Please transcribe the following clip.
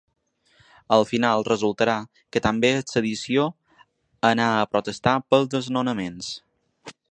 Al final resultarà que també és sedició anar a protestar pels desnonaments.